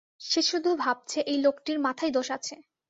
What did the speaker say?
সে শুধুভাবছে, এই লোকটির মাথায় দোষ আছে।